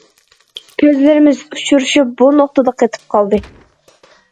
كۆزلىرىمىز ئۇچرىشىپ، بىر نۇقتىدا قېتىپ قالدى.